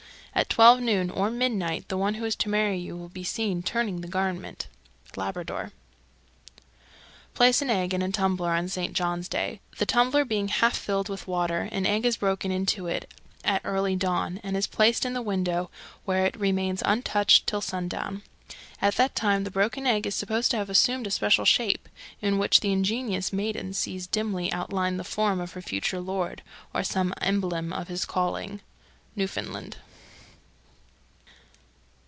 At twelve noon or midnight the one who is to marry you will be seen turning the garment. Labrador. 326. Place an egg in a tumbler on St. John's Day. The tumbler being half filled with water, an egg is broken into it at early dawn, and it is placed in the window, where it remains untouched till sundown. At that time the broken egg is supposed to have assumed a special shape, in which the ingenious maiden sees dimly outlined the form of her future lord, or some emblem of his calling. _Newfoundland.